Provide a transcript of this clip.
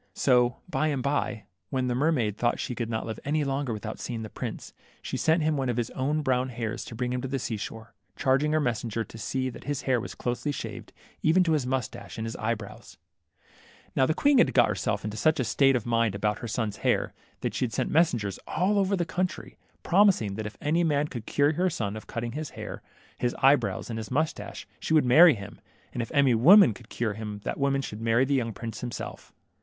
So by and by, when the mer maid thought she could not live any longer without seeing the prince, she sent him one of. his own brown hairs to bring him to the sea shore, charging her messenger to see that his hair was close shaved, even to his moustache and his eyebrows. i THE MERMAID, 17 Now the queen had got herself into such a state of mind about her son's hair, that she had sent mes sengers all over the country, promising that if any man would cure her son of cutting his hair, his eye brows, and his moustache, she would marry him ; and if any woman would cure him, that woman should marry the young prince himself.